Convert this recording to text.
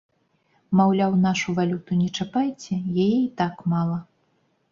Маўляў, нашу валюту не чапайце, яе і так мала.